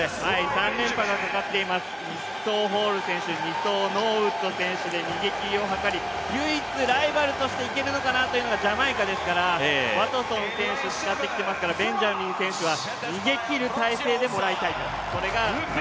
３連覇が懸かっています、１走ホール選手選手、２走、ノーウッド選手で逃げ切りを図り、唯一ライバルとしていけるのかなというのがジャマイカですからワトソン選手を使ってきていますから、ベンジャミン選手は逃げ切る体制でもらいたいと。